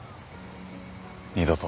二度と。